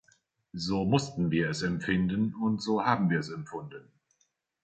So mussten wir es empfinden, und so haben wir es empfunden.